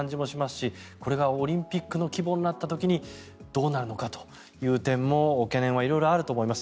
しこれがオリンピックの規模になった時にどうなるのかという点も懸念は色々あると思います。